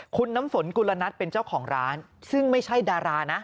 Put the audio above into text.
คุณน้ำฝนกุลนัทเป็นเจ้าของร้านซึ่งไม่ใช่ดารานะ